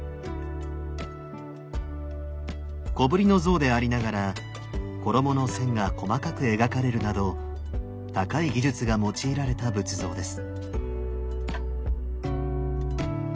小ぶりの像でありながら衣の線が細かく描かれるなど高い技術が用いられた仏像です。